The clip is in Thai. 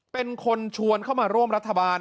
เป็นคนชวนเข้ามาร่วมรัฐบาล